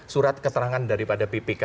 surat keterangan daripada ppk